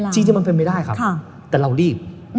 จริงมันเป็นไปได้ครับแต่เรารีบ